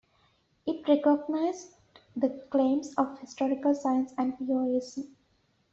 It recognised the claims of historical science and pure reason.